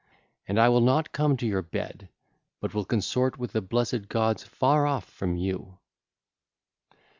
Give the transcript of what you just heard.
And I will not come to your bed, but will consort with the blessed gods far off from you.